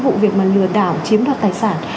vụ việc lừa đảo chiếm đoàn tài sản